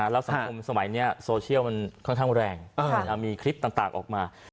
แล้วสังคมสมัยนี้โซเชียลมันค่อนข้างแรงมีคลิปต่างออกมา